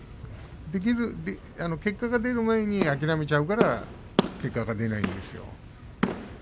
結果が出る前に諦めちゃうから結果が出ないんですよ。